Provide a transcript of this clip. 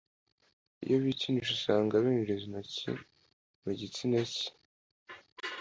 iyo bikinisha usanga binjiza intoki mu gitsina cye(Vagin)